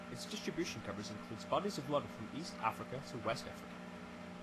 Its distribution covers includes bodies of water from East Africa to West Africa.